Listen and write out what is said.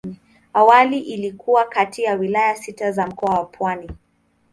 Awali ilikuwa kati ya wilaya sita za Mkoa wa Pwani.